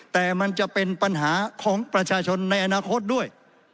แต่มันจะเป็นปัญหาของประชาชนในอนาคตด้วย